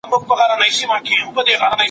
فارمسي پوهنځۍ له مشورې پرته نه اعلانیږي.